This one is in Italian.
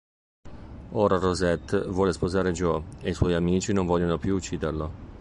Ora Rosette vuole sposare Joe e i suoi amici non vogliono più ucciderlo.